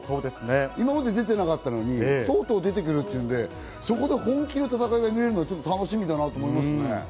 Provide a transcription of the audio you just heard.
今まで出てなかったのに、とうとう出てくるっていうんで、そこの本気の戦いが見られるのが楽しみだなと思いますね。